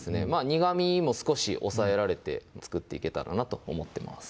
苦みも少し抑えられて作っていけたらなと思ってます